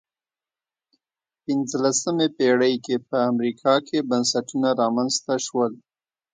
پنځلسمې پېړۍ کې په امریکا کې بنسټونه رامنځته شول.